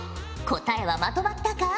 答えはまとまったか？